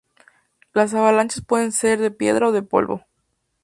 Las avalanchas pueden ser de piedras o de polvo.